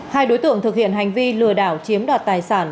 hai đối tượng thực hiện hành vi lừa đảo chiếm đoạt tài sản